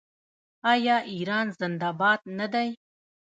آیا ایران زنده باد نه دی؟